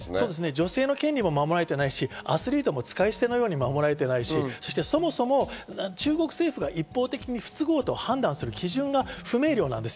女性の権利も守られていないし、アスリートも使い捨てのように守られていないし、中国政府が一方的に不都合とする判断基準が不明瞭です。